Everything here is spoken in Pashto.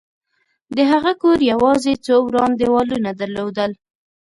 د هغه کور یوازې څو وران دېوالونه درلودل